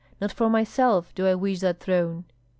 Not for myself do I wish that throne!"